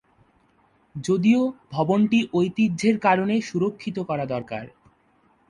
যদিও ভবনটি ঐতিহ্যের কারণে সুরক্ষিত করা দরকার।